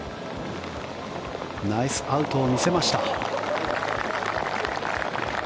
ナイスアウトを見せました。